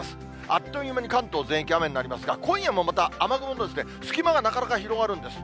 あっという間に関東全域、雨になりますが、今夜もまた雨雲の隙間がなかなか広がるんです。